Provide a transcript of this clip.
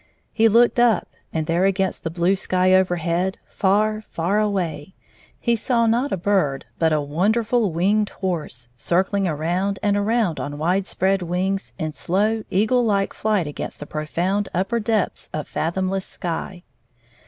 He looked up, and there against the blue sky overhead, far, far away, he saw, not a bird, but a wonderftil winged horse, circUng around and around on wide spread wings in slow, eagle like flight against the profound upper depths of fathomless sky.